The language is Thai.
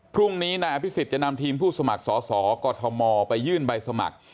พรุ่งนี้นายอภิษฎจะนำทีมผู้สมัครสอสอกอทมไปยื่นใบสมัคร